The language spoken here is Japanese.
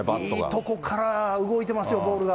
いいところから動いてますよ、ボールが。